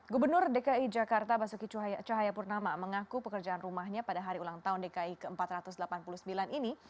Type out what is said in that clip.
gubernur dki jakarta basuki cahayapurnama mengaku pekerjaan rumahnya pada hari ulang tahun dki ke empat ratus delapan puluh sembilan ini